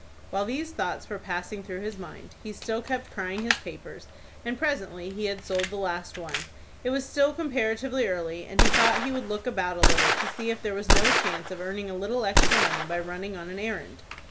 While these thoughts were passing through his mind, he still kept crying his papers, and presently he had sold the last one. It was still comparatively early, and he thought he would look about a little to see if there was no chance of earning a little extra money by running on an errand.